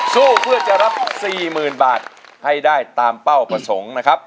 สู้เพื่อจะรับ๔๐๐๐บาทให้ได้ตามเป้าประสงค์นะครับ